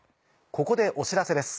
ここでお知らせです。